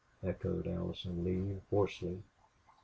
echoed Allison Lee, hoarsely.